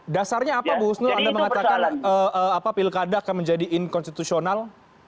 dasarnya apa bu husnul anda mengatakan pilkada akan menjadi inkonstitusional